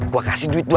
gue kasih duit dua ribu